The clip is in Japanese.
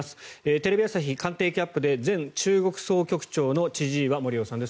テレビ朝日官邸キャップで前中国総局長の千々岩森生さんです。